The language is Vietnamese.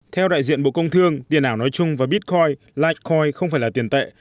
theo đại diện bộ công thương tiền ảo nói chung và bitcoin lithiore không phải là tiền tệ